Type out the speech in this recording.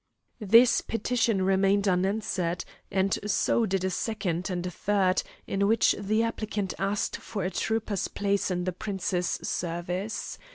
This petition remained unanswered, and so did a second, and a third, in which the applicant asked for a trooper's place in the prince's service.